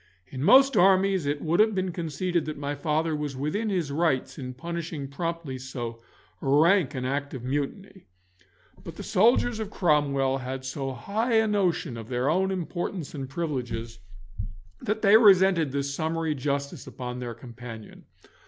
In most armies it would have been conceded that my father was within his rights in punishing promptly so rank an act of mutiny, but the soldiers of Cromwell had so high a notion of their own importance and privileges, that they resented this summary justice upon their companion.